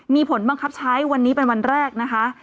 มีผลบังคับใช้วันนี้เป็นวันแรกนะคะ